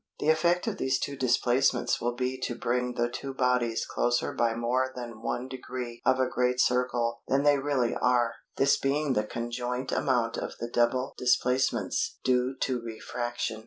The effect of these two displacements will be to bring the two bodies closer by more than 1° of a great circle than they really are, this being the conjoint amount of the double displacements due to refraction.